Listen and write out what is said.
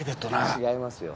違いますよ。